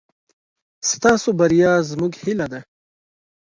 ستاسو بريا زموږ هيله ده.